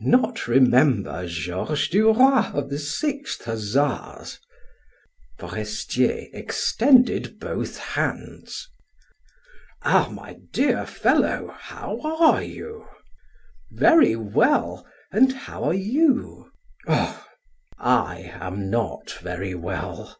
"Not remember Georges Duroy of the Sixth Hussars." Forestier extended both hands. "Ah, my dear fellow, how are you?" "Very well. And how are you?" "Oh, I am not very well.